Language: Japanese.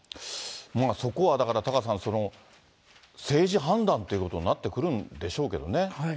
そこはだからタカさん、政治判断ということになってくるんでしょうけどね。